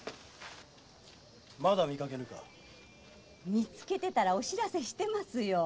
見つけてたらお知らせしてますよ。